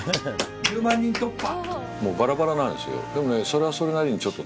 １０万人突破。